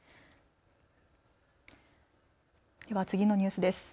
では次のニュースです。